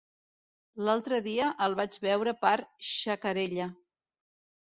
L'altre dia el vaig veure per Xacarella.